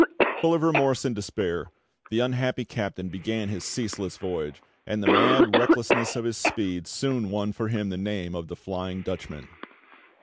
Full of remorse and despair, the unhappy captain began his ceaseless voyage, and the mad recklessness of his speed soon won for him the name of the "Flying Dutchman."